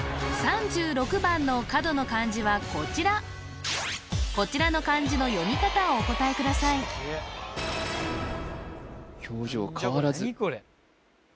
３６番の角の漢字はこちらこちらの漢字の読み方をお答えください表情変わらず・何？